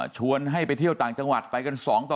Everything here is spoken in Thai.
ชวนให้ไปเที่ยวต่างจังหวัดไปกัน๒ต่อ